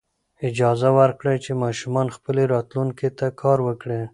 اجازه ورکړئ چې ماشومان خپلې راتلونکې ته کار وکړي.